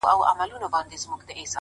ستا بې روخۍ ته به شعرونه ليکم!!